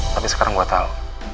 tapi sekarang gue tau